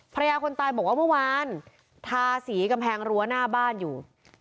ภรรยาคนตายบอกว่าเมื่อวานทาสีกำแพงรั้วหน้าบ้านอยู่